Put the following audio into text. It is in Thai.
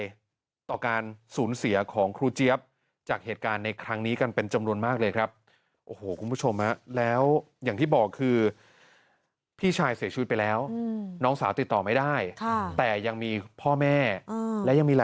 แล้วยังมีพ่อแม่และยังมีหลานอีกฮะ